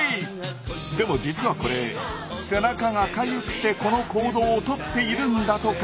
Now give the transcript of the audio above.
でも実はこれ背中がかゆくてこの行動を取っているんだとか！